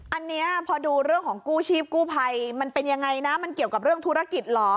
อันนี้พอดูเรื่องของกู้ชีพกู้ภัยมันเป็นยังไงนะมันเกี่ยวกับเรื่องธุรกิจเหรอ